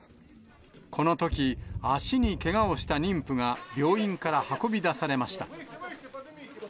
このとき、足にけがをした妊婦が病院から運び出されました。